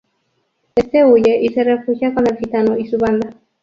Este huye y se refugia con El Gitano y su banda.